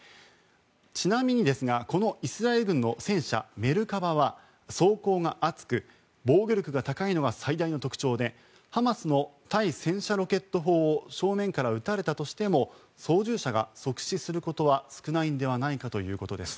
ちなみに、このイスラエル軍の戦車メルカバは装甲が厚く、防御力が高いのが最大の特徴でハマスの対戦車ロケット砲を正面から撃たれたとしても操縦者が即死することは少ないんではないかということです。